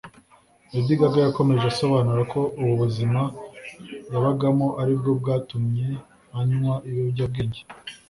Lady Gaga yakomeje asobanura ko ubu buzima yabagamo ari bwo bwatumye anywa ibiyobyabwenge